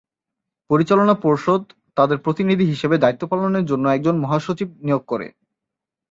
পরিচালনা পর্ষদ তাদের প্রতিনিধি হিসেবে দায়িত্ব পালনের জন্য একজন "মহাসচিব" নিয়োগ করে।